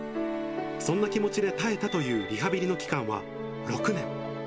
そんな気持ちで耐えたというリハビリの期間は６年。